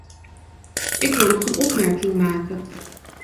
Ik wil nog een opmerking maken.